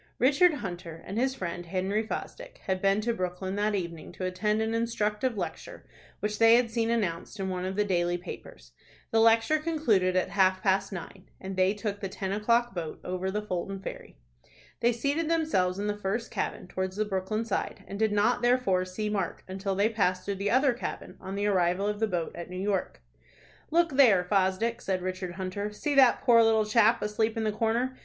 Richard Hunter and his friend Henry Fosdick had been to Brooklyn that evening to attend an instructive lecture which they had seen announced in one of the daily papers. The lecture concluded at half past nine, and they took the ten o'clock boat over the Fulton ferry. They seated themselves in the first cabin, towards the Brooklyn side, and did not, therefore, see Mark until they passed through the other cabin on the arrival of the boat at New York. "Look there, Fosdick," said Richard Hunter. "See that poor little chap asleep in the corner.